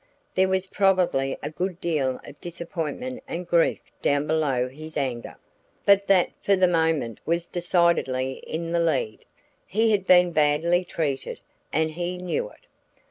There was probably a good deal of disappointment and grief down below his anger, but that for the moment was decidedly in the lead. He had been badly treated, and he knew it.